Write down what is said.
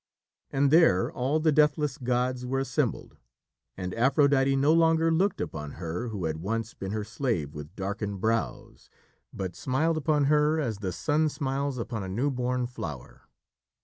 And there all the deathless gods were assembled, and Aphrodite no longer looked upon her who had once been her slave with darkened brows, but smiled upon her as the sun smiles upon a new born flower.